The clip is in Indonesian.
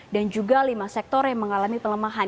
dan juga lima sektor yang mengalami pelemahan